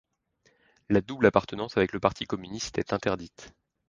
La double appartenance avec le Parti communiste est interdite.